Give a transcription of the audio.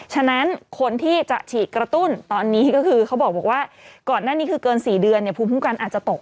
ฉะนั้นคนที่จะฉีดกระตุ้นตอนนี้ก็คือเขาบอกว่าก่อนหน้านี้คือเกิน๔เดือนเนี่ยภูมิคุ้มกันอาจจะตก